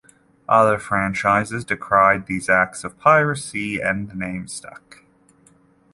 Other franchises decried these acts of "piracy", and the name stuck.